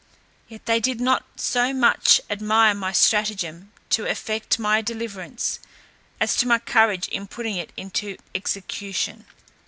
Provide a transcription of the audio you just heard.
Yet they did not so much admire my stratagem to effect my deliverance, as my courage in putting it into execution.